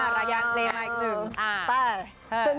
ระยางเพลงมาอีกหนึ่ง